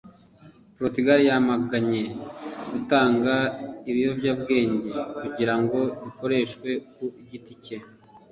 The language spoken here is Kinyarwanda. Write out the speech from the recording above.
porutugali yamaganye gutunga ibiyobyabwenge kugira ngo bikoreshwe ku giti cye